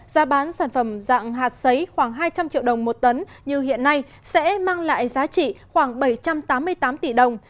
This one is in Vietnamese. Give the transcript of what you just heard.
giá bán sản phẩm dạng hạt xấy khoảng hai trăm linh triệu đồng một tấn như hiện nay sẽ mang lại giá trị khoảng bảy trăm tám mươi tám tỷ đồng